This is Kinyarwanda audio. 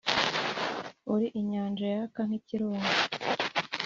Uri inyanja yaka nkikirunga